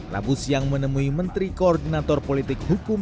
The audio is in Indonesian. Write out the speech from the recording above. rabu siang menemui menteri koordinator politik hukum